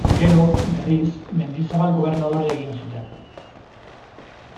Gero, berriz, Mendizabal gobernadore egin zuten.